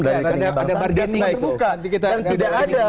dan tidak ada